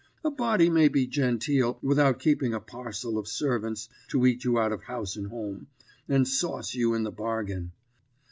A body may be genteel without keeping a parcel of servants to eat you out of house and home, and sauce you in the bargain.